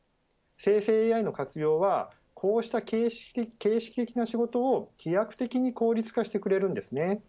生成ＡＩの活用はこうした形式的な仕事を飛躍的に効率化してくれるんです。